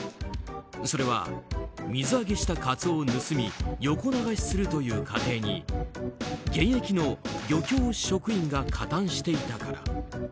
それは水揚げしたカツオを盗み横流しするという過程に現役の漁協職員が加担していたから。